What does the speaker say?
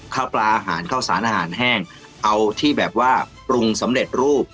ข้าวปลาอาหารข้าวสารอาหารแห้งเอาที่แบบว่าปรุงสำเร็จรูป